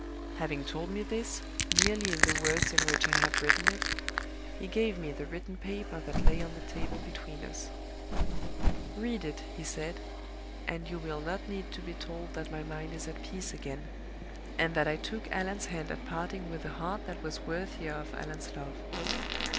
"Having told me this, nearly in the words in which I have written it, he gave me the written paper that lay on the table between us. "'Read it,' he said; 'and you will not need to be told that my mind is at peace again, and that I took Allan's hand at parting with a heart that was worthier of Allan's love.